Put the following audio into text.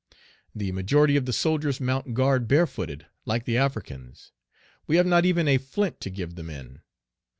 The majority of the soldiers mount guard barefooted, like the Africans. We have not even a flint to give the men.